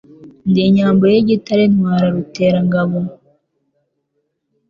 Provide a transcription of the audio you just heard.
Ndi inyambo y' igitare ntwara ruteranyangabo